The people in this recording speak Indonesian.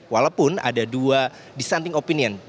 walaupun ada dua dissenting opinion